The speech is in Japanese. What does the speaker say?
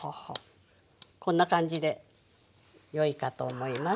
こんな感じでよいかと思います。